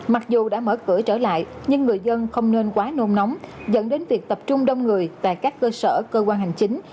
mặc dù đã mở cửa trở lại nhưng người dân không nên quá nôn nóng dẫn đến việc tập trung đông người tại các cơ sở cơ quan hành chính